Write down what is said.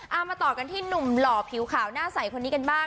เอามาต่อกันที่หนุ่มหล่อผิวขาวหน้าใสคนนี้กันบ้าง